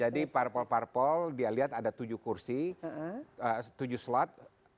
jadi parpol parpol dia lihat ada tujuh kursi tujuh slot